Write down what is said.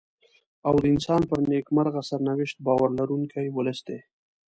او د انسان پر نېکمرغه سرنوشت باور لرونکی ولس دی.